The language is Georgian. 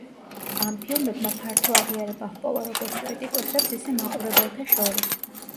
ამ ფილმებმა ფართო აღიარება ჰპოვა როგორც კრიტიკოსებს, ისე მაყურებელთა შორის.